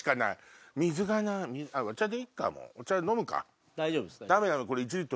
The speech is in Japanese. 水がないお茶でいいかもうお茶飲むか？